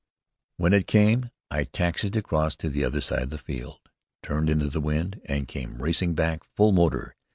When it came, I taxied across to the other side of the field, turned into the wind, and came racing back, full motor.